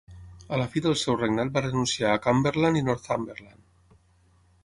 A la fi del seu regnat va renunciar a Cumberland i Northumberland.